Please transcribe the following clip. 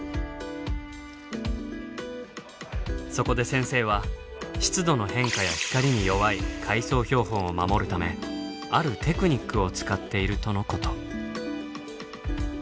そこで先生は湿度の変化や光に弱い海藻標本を守るためあるテクニックを使っているとのこと。